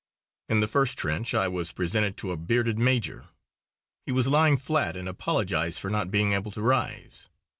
In the first trench I was presented to a bearded major. He was lying flat and apologised for not being able to rise.